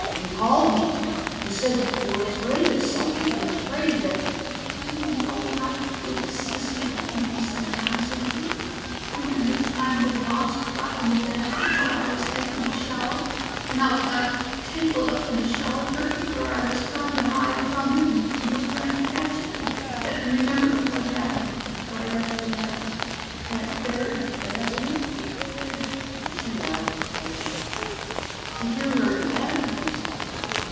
"You called me, though. You said you were afraid of something, and prayed that " "You know how big a sissy I can be sometimes, Andy. Remember the time the wasp got in the bathroom while I was taking a shower, and how we got tangled up in the shower curtain where I was trying to hide from him and you were trying to catch him? And remember what happened right after that? Right there in the bathroom?" She laughed lightly. To hear her laugh again!